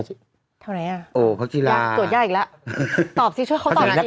พี่ชาวมาจากวัชฌาโพร์น่ะ